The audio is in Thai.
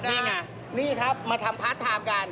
นี่ไงนี่ครับมาทำพาร์ทไทม์กัน